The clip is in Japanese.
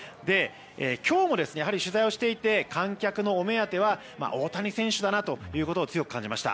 今日も取材をしていて観客のお目当ては大谷選手だなということを強く感じました。